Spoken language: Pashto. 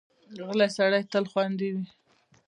غلی سړی تل خوندي وي.